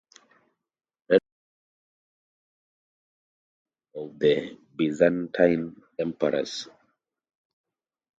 Red was the color of the banner of the Byzantine emperors.